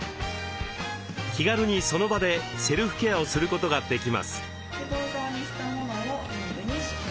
気軽にその場でセルフケアをすることができます。